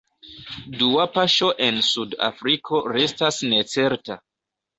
Dua paŝo en Sud-Afriko restas necerta.